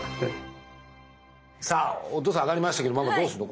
さあお父さんあがりましたけどママどうするの？